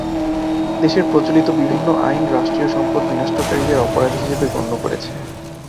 দেশের প্রচলিত বিভিন্ন আইন রাষ্ট্রীয় সম্পদ বিনষ্টকারীদের অপরাধী হিসেবে গণ্য করেছে।